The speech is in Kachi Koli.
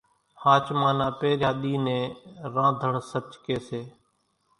ۿاچمان نا پۿريا ۮي نين رانڌڻِ سچ ڪي سي